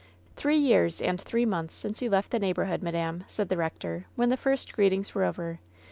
"Three years aiid three months since you left the neighborhood, madam," said the rector, when the first greetings were over.